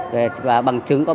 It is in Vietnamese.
và bằng chứng